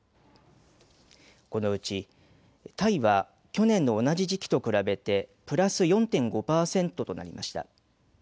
このうちタイは去年の同じ時期と比べてプラス４．５％となりました。